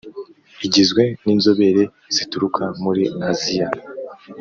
igizwe n inzobere zituruka muri asiya